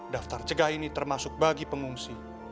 daftar cegah ini termasuk bagi pengungsi